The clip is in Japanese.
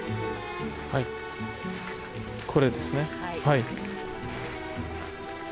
はいこれですね。